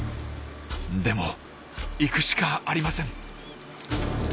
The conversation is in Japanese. でも行くしかありません。